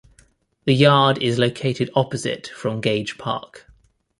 The yard is located opposite from Gage Park.